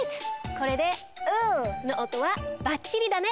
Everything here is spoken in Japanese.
これで“ｌ”の音はバッチリだね！